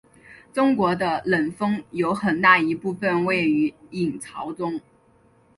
中国的冷锋有很大一部分位于隐槽中。